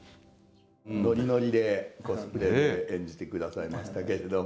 ノリノリでコスプレで演じて下さいましたけれども。